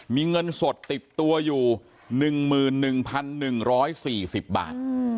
มีเงินสดติดตัวอยู่๑๑๑๔๐บาท